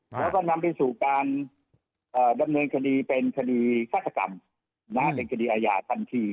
แล้วก็นำไปสู่การดำเนินคดีเป็นคดีฆาตกรรมเป็นคดีอาญาทันที